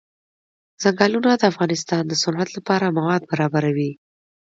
ځنګلونه د افغانستان د صنعت لپاره مواد برابروي.